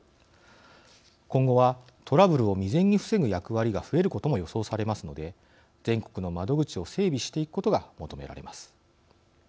今後はトラブルを未然に防ぐ役割が増えることも予想されますので全国の窓口を整備していくことが求められます。